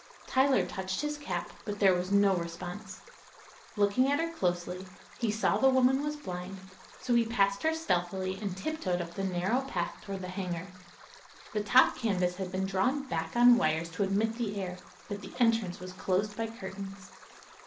Tyler touched his cap, but there was no response. Looking at her closely he saw the woman was blind, so he passed her stealthily and tiptoed up the narrow path toward the hangar. The top canvas had been drawn back on wires to admit the air, but the entrance was closed by curtains.